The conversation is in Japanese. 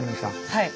はい。